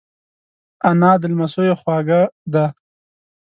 انا د لمسیو خواږه ده